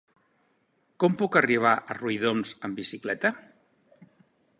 Com puc arribar a Riudoms amb bicicleta?